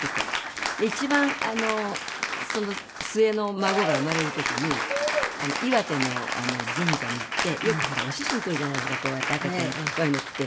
一番末の孫が生まれる時に岩手の神社に行ってよくほらお写真撮るじゃないですかこうやって赤ちゃんこういうの着て。